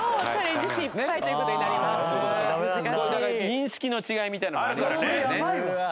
認識の違いみたいなのもありますからね。